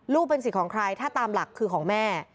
เป็นสิทธิ์ของใครถ้าตามหลักคือของแม่